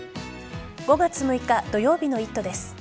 ５月６日土曜日の「イット！」です。